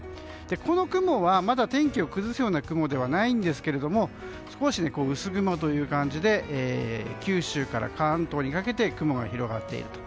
この雲はまだ天気を崩すような雲ではないんですけども少し薄雲という感じで九州から関東にかけて雲が広がっていると。